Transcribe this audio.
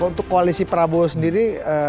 untuk koalisi prabowo sendiri